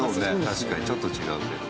確かにちょっと違うけど。